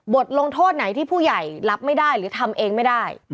ลงโทษไหนที่ผู้ใหญ่รับไม่ได้หรือทำเองไม่ได้